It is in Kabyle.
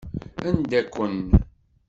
Anda-ken?